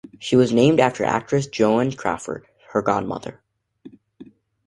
She was named after actress Joan Crawford, her godmother.